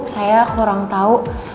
saya kurang tau